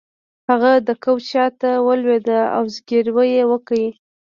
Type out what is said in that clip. هغه د کوچ شاته ولویده او زګیروی یې وکړ